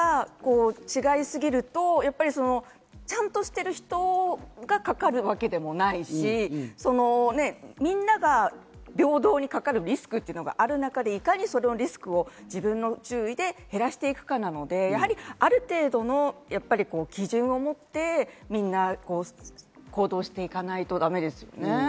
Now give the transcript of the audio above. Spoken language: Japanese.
そこの意識が違いすぎると、ちゃんとしている人がかかるわけでもないし、みんなが平等にかかるリスクがある中で、いかにそれを、リスクを自分の注意で減らしていくかなので、ある程度の基準を持ってみんな行動していかないとだめですよね。